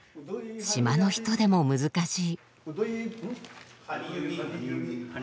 島の人でも難しい。